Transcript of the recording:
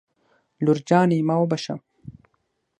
لور جانې ما وبښه